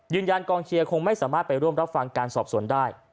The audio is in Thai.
กองเชียร์คงไม่สามารถไปร่วมรับฟังการสอบสวนได้